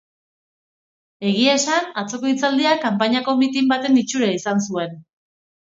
Egia esan, atzoko hitzaldiak kanpainako mitin baten itxura izan zuen.